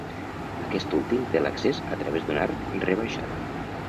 Aquest últim té l'accés a través d'un arc rebaixat.